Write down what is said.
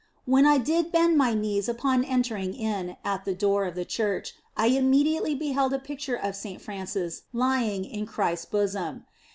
When I did bend my knees upon entering in at the door of the church, I immediately beheld a picture of Saint Francis lying in Christ s bosom.